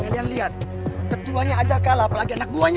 kalian lihat ketuanya aja kalah apalagi anak buahnya